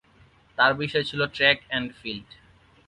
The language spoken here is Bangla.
তার বিষয় ছিল ট্র্যাক অ্যান্ড ফিল্ড।